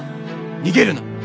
逃げるな！